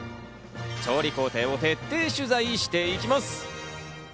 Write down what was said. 調理工程を徹底取材していきます。